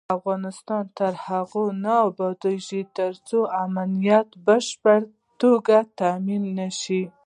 افغانستان تر هغو نه ابادیږي، ترڅو امنیت په بشپړه توګه تامین نشي.